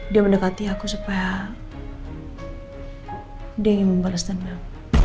dia mendekati aku supaya dia ingin membalas dendam